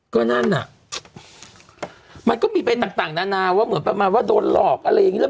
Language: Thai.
ก็นั่นอ่ะมันก็มีไปต่างนานาว่าเหมือนประมาณว่าโดนหลอกอะไรอย่างนี้แล้ว